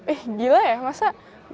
eh gila ya masa